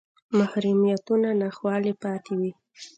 محرومیتونه ناخوالې پاتې وې